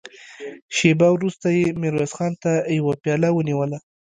شېبه وروسته يې ميرويس خان ته يوه پياله ونيوله.